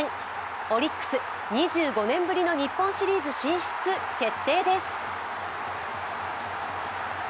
オリックス、２５年ぶりの日本シリーズ進出決定です。